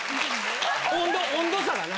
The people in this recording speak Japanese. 温度温度差がな。